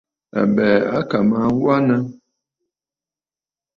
Àbɛ̀ɛ̀ à kà mə aa wanə.